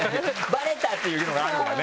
バレたっていうのがあるんだね